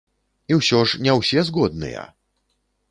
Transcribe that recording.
І ўсё ж не ўсе згодныя!